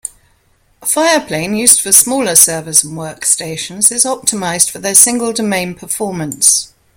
Fireplane used for smaller servers and workstations is optimised for their single domain performance.